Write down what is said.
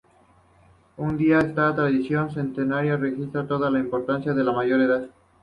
Hoy día esta tradición centenaria registra toda la importancia de la mayoría de edad.